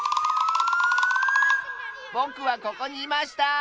ぼくはここにいました！